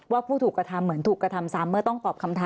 ผู้ถูกกระทำเหมือนถูกกระทำซ้ำเมื่อต้องตอบคำถาม